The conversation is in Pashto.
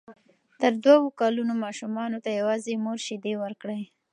تر دوو کلونو ماشومانو ته یوازې مور شیدې ورکړئ.